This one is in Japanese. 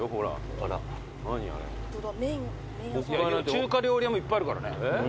中華料理屋もいっぱいあるからね。